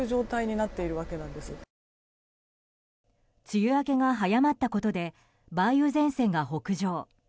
梅雨明けが早まったことで梅雨前線が北上。